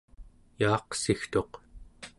yaaqsigtuq